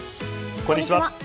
こんにちは。